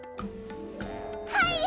はい！